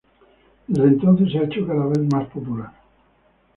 Desde entonces, se ha hecho cada vez más popular.